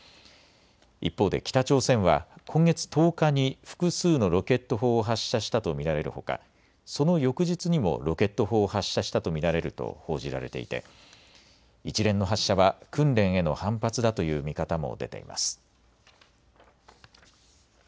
一方で北朝鮮は今月１０日に複数のロケット砲を発射したと見られるほか、その翌日にもロケット砲を発射したと見られると報じられていて一連の発射は訓練への反発だという見方も出ています。